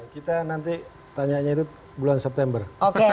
kita nanti tanyanya itu bulan september